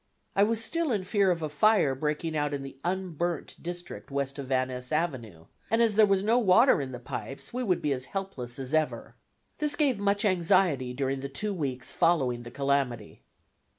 I was still in fear of a fire breaking out in the unburnt district west of Van Ness Avenue, and as there was no water in the pipes we would be as helpless as ever. This gave much anxiety during the two weeks following the calamity.